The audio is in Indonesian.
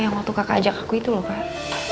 yang waktu kakak ajak aku itu loh pak